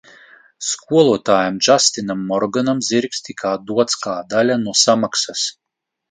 Skolotājam Džastinam Morganam zirgs tika atdots kā daļa no samaksas.